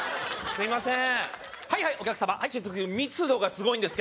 すいません